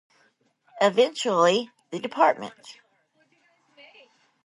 Eventually the Dept.